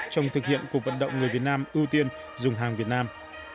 trong thực hiện cuộc vận động người việt nam ưu tiên dùng hàng việt nam